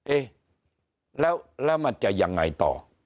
เอ๊ะแล้วมันจะยังไงต่อ